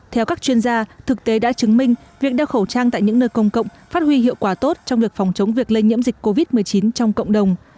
theo các chuyên gia thực tế đã chứng minh việc đeo khẩu trang tại những nơi công cộng phát huy hiệu quả tốt trong việc phòng chống việc lây nhiễm dịch covid một mươi chín trong cộng đồng